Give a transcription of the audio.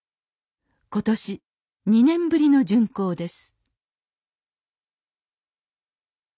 今年２年ぶりの巡行です